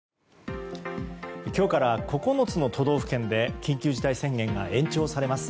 今日から９つの都道府県で緊急事態宣言が延長されます。